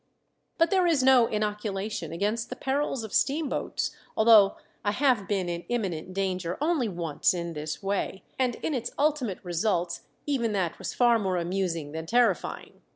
"] But there is no inoculation against the perils of steamboats; although I have been in imminent danger only once in this way, and in its ultimate results even that was far more amusing than terrifying.